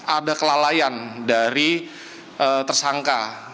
ada kelalaian dari tersangka